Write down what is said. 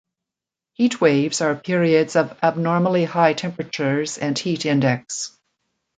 Heat waves are periods of abnormally high temperatures and heat index.